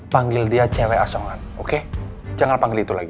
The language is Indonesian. panggil dia cewek asongan oke jangan panggil itu lagi